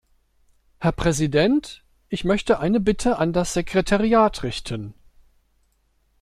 Herr Präsident, ich möchte eine Bitte an das Sekretariat richten.